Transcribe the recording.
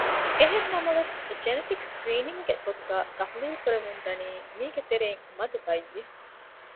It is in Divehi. އެހެންނަމަވެސް ޖެނެޓިކް ސްކްރީނިންގ ގެ ގޮތުން ތަޙުލީލު ކުރެވެމުންދަނީ މީގެތެރެއިން މަދު ބައްޔެއް